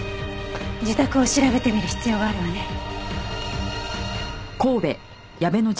自宅を調べてみる必要があるわね。